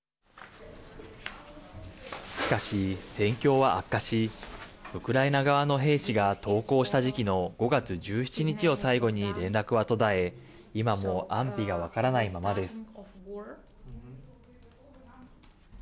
しかし、戦況は悪化しウクライナ側の兵士が投降した時期の５月１７日を最後に連絡は途絶え今も安否が分からないままです。